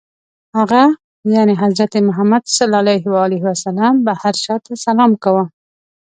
هغه ﷺ به هر چا ته سلام کاوه.